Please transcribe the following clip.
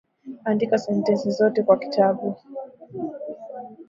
Andika sentensi zote kwa kitabu